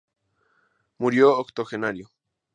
Murió octogenario.